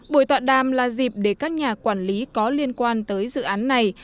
buổi tọa đàm là dịp để các nhà quản lý có liên quan tới dự án này